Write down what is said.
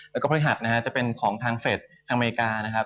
แล้วก็พฤหัสนะฮะจะเป็นของทางเฟสทางอเมริกานะครับ